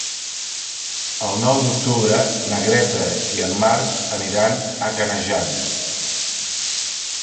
El nou d'octubre na Greta i en Marc aniran a Canejan.